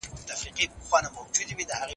په دې وخت کي بشر د علت په لټه کي وي.